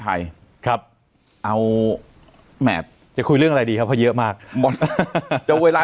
ไทยครับเอาแหมจะคุยเรื่องอะไรดีครับเพราะเยอะมากบอลจะเวลา